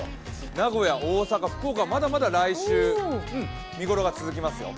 名古屋、大阪、福岡、まだまだ来週見頃が続きますよ。